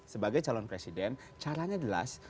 sebagai calon presiden caranya jelas